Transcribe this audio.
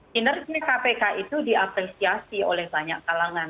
kinerja kpk itu diapresiasi oleh banyak kalangan